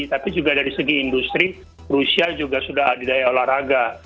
tapi juga dari segi industri rusia juga sudah adidaya olahraga